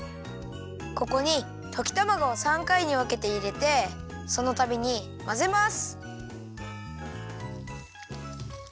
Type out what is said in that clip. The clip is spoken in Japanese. ここにときたまごを３かいにわけていれてそのたびにまぜます。